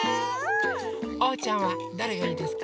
おうちゃんはどれがいいですか？